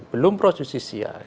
belum prosesis ya